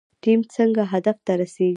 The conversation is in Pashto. ټیم څنګه هدف ته رسیږي؟